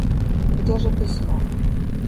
Где же письмо?